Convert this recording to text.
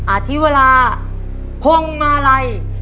อธิวราพงมาลัย